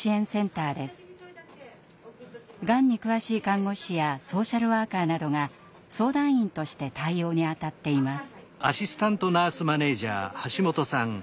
がんに詳しい看護師やソーシャルワーカーなどが相談員として対応に当たっています。